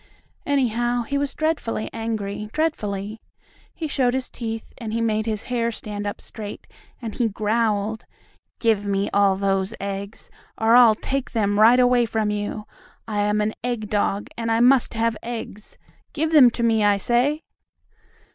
Anyhow, he was dreadfully angry, dreadfully! He showed his teeth, and he made his hair stand up straight, and he growled: "Give me all those eggs, or I'll take them right away from you! I am an egg dog, and I must have eggs. Give them to me, I say!"